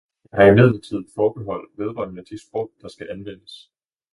Jeg har imidlertid forbehold vedrørende de sprog, der skal anvendes.